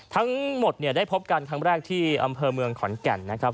ทั้งหมดเนี่ยได้พบกันครั้งแรกที่อำเภอเมืองขอนแก่นนะครับ